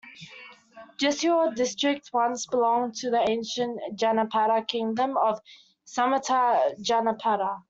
Jessore district once belonged to the ancient Janapada kingdom of Samatat Janapada.